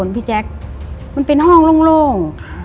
มันเป็นห้องโล่ง